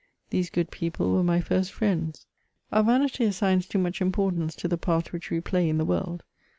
These good people were my first friends. Our vanity assigns too much importance to the part which we play in the world.